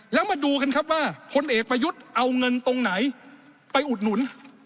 แล้วมาดูกันครับว่าพลเอกประยุทธ์เอาเงินตรงไหนไปอุดหนุน